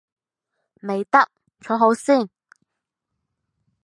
未得，坐好先